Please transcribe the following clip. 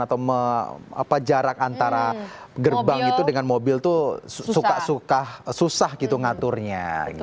atau jarak antara gerbang itu dengan mobil itu suka susah gitu ngaturnya